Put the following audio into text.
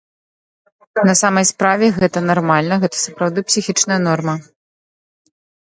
На самай справе, гэта нармальна, гэта сапраўды псіхічная норма.